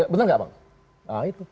bener gak bang nah itu